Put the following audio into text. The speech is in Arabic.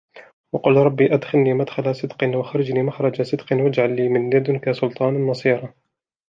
وقل رب أدخلني مدخل صدق وأخرجني مخرج صدق واجعل لي من لدنك سلطانا نصيرا